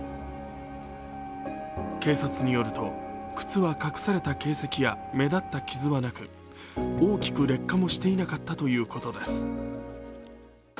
警察によると、靴は隠された形跡や目立った傷はなく、大きく劣化もしていなかったということです。